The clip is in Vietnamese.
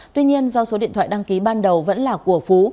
tuy nhiên do số điện thoại đăng ký ban đầu vẫn là của phú